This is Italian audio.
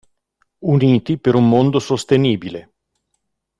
Uniti per un mondo sostenibile".